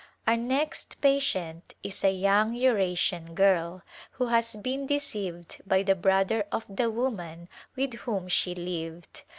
Our next pa tient is a young Eurasian girl who has been deceived by the brother of the woman with whom she lived.